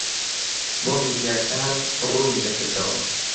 بۆ میدیاکان ڕوونی دەکردەوە